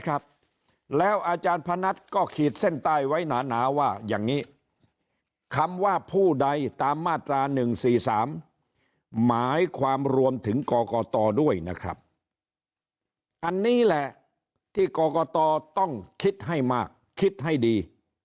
ครับแล้วอาจารย์พนัทก็ขีดเส้นใต้ไว้หนาว่าอย่างนี้คำว่าผู้ใดตามมาตรา๑๔๓หมายความรวมถึงกรกตด้วยนะครับอันนี้แหละที่กรกตต้องคิดให้มากคิดให้ดี